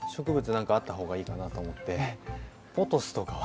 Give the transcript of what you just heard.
何かあった方がいいかなと思ってポトスとかは。